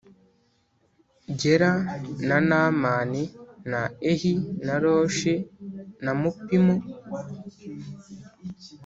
Gera na Namani na Ehi na Roshi na Mupimu